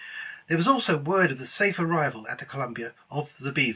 There was also word of the safe arrival at the Columbia of the Beaver.